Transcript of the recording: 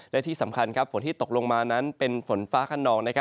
และที่สำคัญฝนที่ตกลงมานั้นเป็นฝนฟ้าขนอง